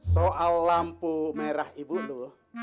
soal lampu merah ibu nu